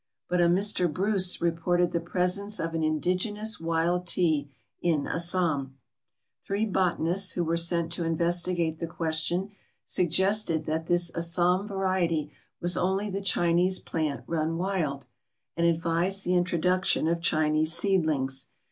But a Mr. Bruce reported the presence of an indigenous wild tea in Assam. Three botanists who were sent to investigate the question suggested that this Assam variety was only the Chinese plant run wild, and advised the introduction of Chinese seedlings.